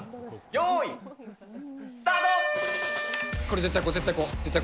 よーい、スタート！